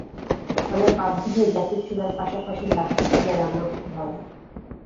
ফলে বাধ্য হয়ে গ্যাসের চুলার পাশাপাশি লাকড়ির চুলায় রান্না করতে হয়।